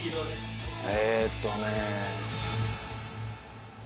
えーっとね。